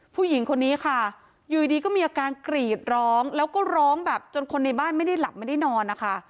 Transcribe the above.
ผู้หญิงคนนี้ค่ะอยู่ดีก็มีอาการกรีดร้องแล้วก็ร้องแบบจนคนในบ้านไม่ได้หลับไม่ได้นอนนะคะ